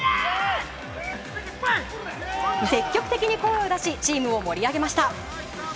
積極的に声を出しチームを盛り上げました。